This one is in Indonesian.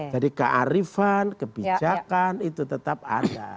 jadi kearifan kebijakan itu tetap ada